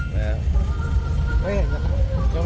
ไม่เห็น